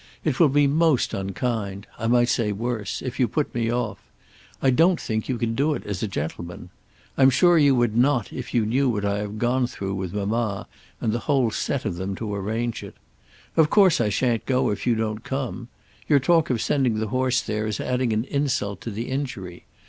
It will be most unkind, I might say worse, if you put me off. I don't think you can do it as a gentleman. I'm sure you would not if you knew what I have gone through with mamma and the whole set of them to arrange it. Of course I shan't go if you don't come. Your talk of sending the horse there is adding an insult to the injury.